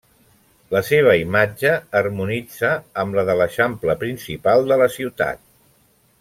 La seva imatge harmonitza amb la de l'eixample principal de la ciutat.